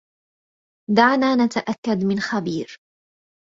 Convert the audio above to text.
دعنا نتأكد من خبير.